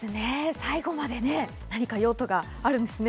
最後まで用途があるんですね。